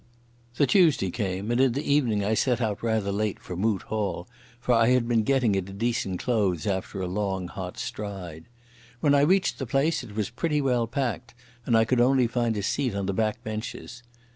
The Tuesday came, and in the evening I set out rather late for the Moot Hall, for I had been getting into decent clothes after a long, hot stride. When I reached the place it was pretty well packed, and I could only find a seat on the back benches.